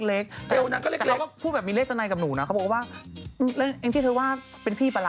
เราก็พูดแบบมีเลขธนัยกับหนูนะเขาบอกว่าแล้วเองที่เธอว่าเป็นพี่ปะล่ะ